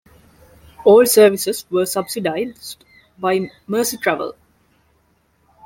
All services were subsidised by Merseytravel.